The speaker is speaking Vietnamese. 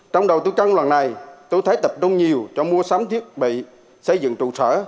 trong đầu tư chăn lần này tôi thấy tập trung nhiều cho mua sắm thiết bị xây dựng trụ sở